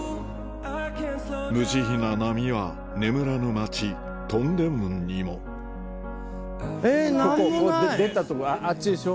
無慈悲な波は眠らぬ街東大門にもここ出たとこあっちでしょ。